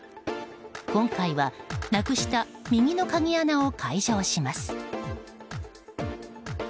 今回は、なくした右の鍵穴を解錠します。